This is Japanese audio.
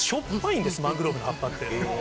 マングローブの葉っぱって。